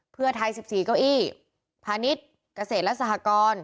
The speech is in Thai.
เพื่อไทยสิบสี่เก้าอี้พาณิชย์กเศษและสหกร